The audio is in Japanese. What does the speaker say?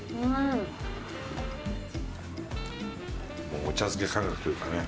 もうお茶漬け感覚というかね。